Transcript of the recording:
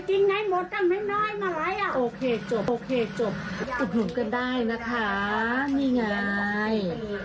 ตรงนี้ก็ได้นะคะนี่ไง